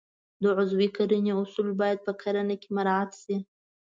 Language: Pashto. د عضوي کرنې اصول باید په کرنه کې مراعات شي.